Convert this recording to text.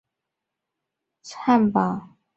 他现在效力于德甲球队沃尔夫斯堡。